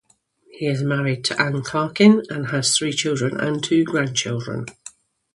He is married to Anne Clarkin, and has three children, and two grandchildren.